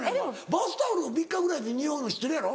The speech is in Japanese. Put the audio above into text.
バスタオルも３日ぐらいでにおうの知ってるやろ？